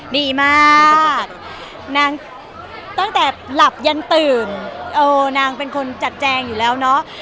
ดีมากนางตั้งแต่หลับยันตื่นเออนางเป็นคนจัดแจงอยู่แล้วเนาะ